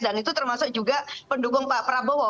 dan itu termasuk juga pendukung pak prabowo